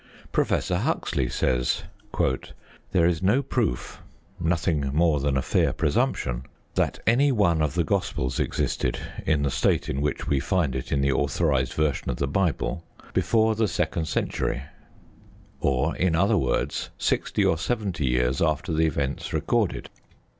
Professor Huxley says: There is no proof, nothing more than a fair presumption, that any one of the Gospels existed, in the state in which we find it in the authorised version of the Bible, before the second century, or, in other words, sixty or seventy years after the events recorded.